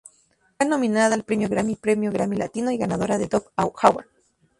Fue nominada al Premio Grammy y Premio Grammy Latino y ganadora de Dove Award.